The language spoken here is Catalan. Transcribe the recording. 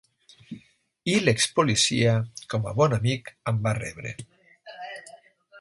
I l’ex-policia, com a bon amic, em va rebre.